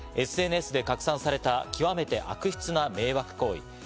ＳＮＳで拡散された、極めて悪質な迷惑行為。